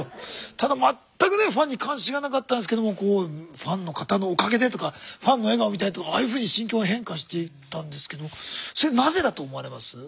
ただ全くねファンに関心がなかったんですけどファンの方のおかげでとかファンの笑顔が見たいとああいうふうに心境が変化していったんですけどそれなぜだと思われます？